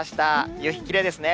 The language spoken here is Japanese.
夕日、きれいですね。